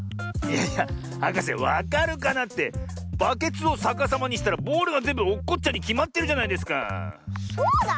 いやいやはかせ「わかるかな？」ってバケツをさかさまにしたらボールがぜんぶおっこっちゃうにきまってるじゃないですかあ。